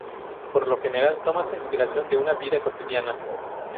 Por lo general toma su inspiración de su vida cotidiana.